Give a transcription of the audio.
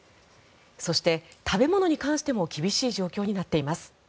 そして、食べ物に関しても厳しい状況になっています。